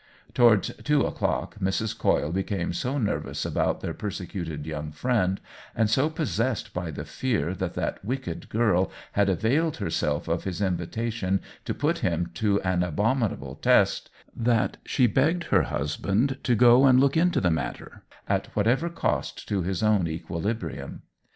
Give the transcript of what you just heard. Towards two o'clock Mrs. Coyle became so nervous about their persecuted young friend, and so possessed by the fear that that wicked girl had availed herself of his invitation to put him to an abominable test, that she begged her hus band to go and look into the matter, at whatever cost to his own equilibrium.